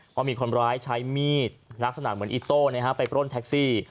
เพราะมีคนร้ายใช้มีดลักษณะเหมือนอิโต้ไปปล้นแท็กซี่